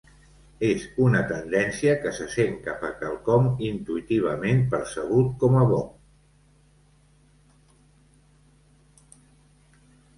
És una tendència que se sent cap a quelcom intuïtivament percebut com a bo.